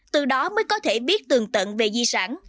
từ đó mới có thể biết tường tận về di sản